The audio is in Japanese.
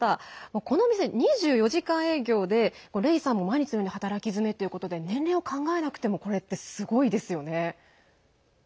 このお店は２４時間営業でレイさんも毎日のように働きづめということで年齢を考えなくてもこれってすごいですよね。